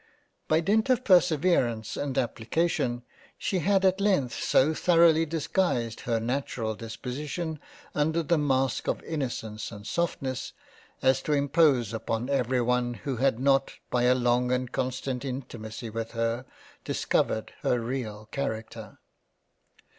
By dint of Perseverance and Application, she had at length so thoroughly disguised her natural disposition under the mask of Innocence, and Softness, as to impose upon every one who had not by a long and constant intimacy with her discovered her real Character.